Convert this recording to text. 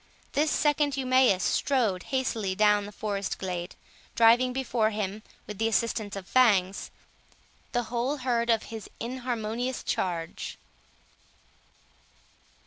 This second Eumaeus strode hastily down the forest glade, driving before him, with the assistance of Fangs, the whole herd of his inharmonious charge.